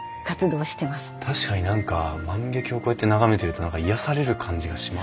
確かに何か万華鏡をこうやって眺めていると何か癒やされる感じがします。